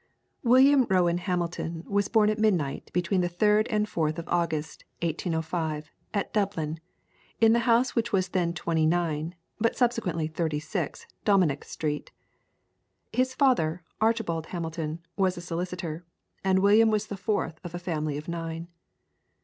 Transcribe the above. William Rowan Hamilton was born at midnight between the 3rd and 4th of August, 1805, at Dublin, in the house which was then 29, but subsequently 36, Dominick Street. His father, Archibald Hamilton, was a solicitor, and William was the fourth of a family of nine.